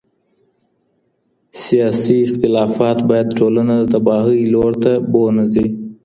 سياسي اختلافات بايد ټولنه د تباهۍ لور ته بو نه ځي.